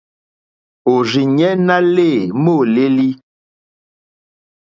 Òrzìɲɛ́ ná lê môlélí.